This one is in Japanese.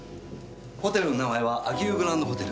ホテルの名前は秋保グランドホテル。